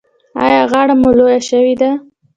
ایا غاړه مو لویه شوې ده؟